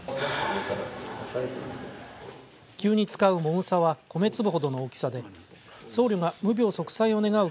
きゅうに使うもぐさは米粒ほどの大きさで僧侶が無病息災を願う